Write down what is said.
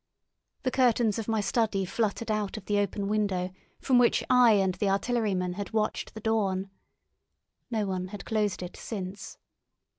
The curtains of my study fluttered out of the open window from which I and the artilleryman had watched the dawn. No one had closed it since.